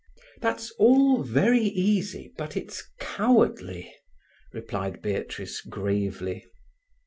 "That's all very easy, but it's cowardly," replied Beatrice gravely.